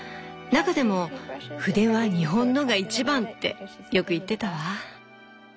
中でも「筆は日本のが一番」ってよく言ってたわ。